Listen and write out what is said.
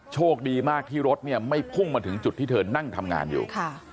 โชคดีมากที่รถเนี่ยไม่พุ่งมาถึงจุดที่เธอนั่งทำงานอยู่